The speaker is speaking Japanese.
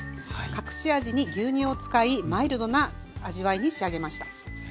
隠し味に牛乳を使いマイルドな味わいに仕上げました。